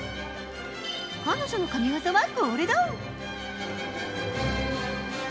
彼女の神技はこれだ！